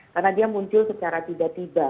karena dia muncul secara tiba tiba